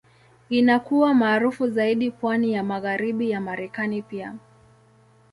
Inakuwa maarufu zaidi pwani ya Magharibi ya Marekani pia.